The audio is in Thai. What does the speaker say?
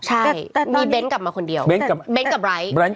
ใช่มีเบ้นกลับมาคนเดียวเบ้นกับไร้